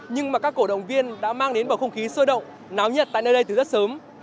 nhưng mà các cổ động viên đã mang đến bầu không khí sôi động náo nhiệt tại nơi đây từ rất sớm